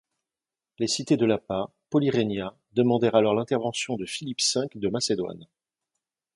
Les cités de Lappa, Polyrrhenia demandèrent alors l'intervention de Philippe V de Macédoine.